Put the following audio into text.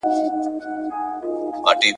تور وېښته مي په دې لاره کي سپین سوي ,